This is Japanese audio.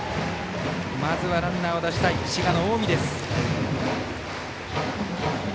まずはランナーを出したい滋賀の近江です。